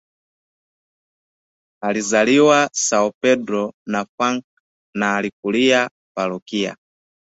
Alizaliwa Sao Pedro na Funchal na alikulia parokia